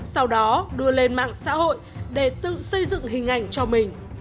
sau đó đưa lên mạng xã hội để tự xây dựng hình ảnh cho mình